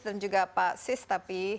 dan juga pak sis tapi